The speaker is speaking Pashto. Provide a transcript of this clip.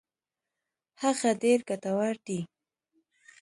هغه ډېر ګټور دي.